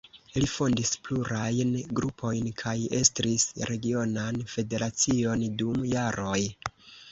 Li fondis plurajn grupojn kaj estris regionan federacion dum jaroj.